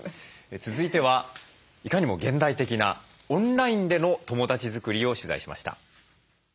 続いてはいかにも現代的なオンラインでの友だち作りを取材しました。